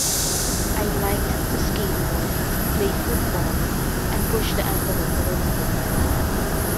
I liked to skateboard, play football, and push the envelope a little bit.